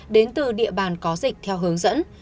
đến từ địa bàn có dịch theo hướng dẫn